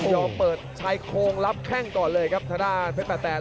เปิดชายโครงรับแข้งก่อนเลยครับทางด้านเพชรแปดแตน